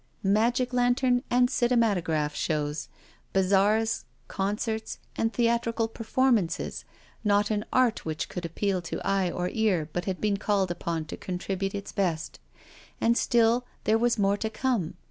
Magic lantern and cinematograph shows, bazaars, concerts, and theatrical performances, not an art which could appeal to ear or eye but had been called upon to contribute its best. And still there was more to come.